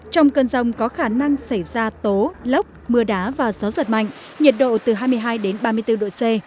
trong cơn rông có khả năng xảy ra tố lốc mưa đá và gió giật mạnh nhiệt độ từ hai mươi hai đến ba mươi bốn độ c